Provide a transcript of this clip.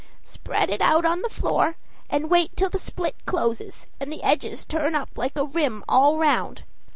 "Spread it out on the floor, and wait till the split closes and the edges turn up like a rim all round.